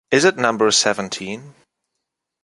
Is it number seventeen?